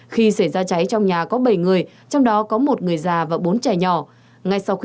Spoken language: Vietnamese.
khi xảy ra cháy trong nhà có bảy người trong đó có một người già và bốn trẻ nhỏ